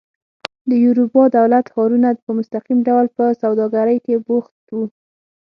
د یوروبا دولت ښارونه په مستقیم ډول په سوداګرۍ کې بوخت وو.